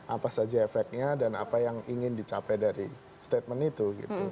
apa saja efeknya dan apa yang ingin dicapai dari statement itu